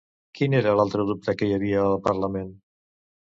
Quin és l'altre dubte que hi ha al parlament?